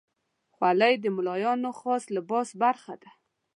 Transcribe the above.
خولۍ د ملایانو خاص لباس برخه ده.